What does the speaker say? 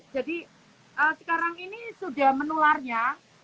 jadi sekarang ini sudah menularnya